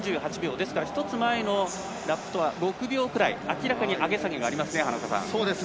ですから、１つ前のラップとは６秒くらい明らかに上げ下げがありますね。